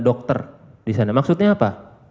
dokter di sana maksudnya apa